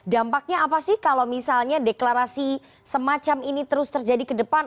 dampaknya apa sih kalau misalnya deklarasi semacam ini terus terjadi ke depan